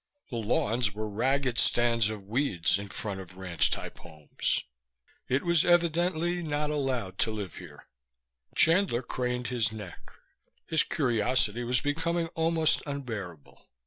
The lawns were ragged stands of weeds in front of the ranch type homes. It was evidently not allowed to live here. Chandler craned his neck. His curiosity was becoming almost unbearable.